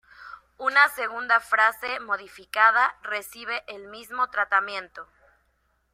Una segunda frase modificada recibe el mismo tratamiento.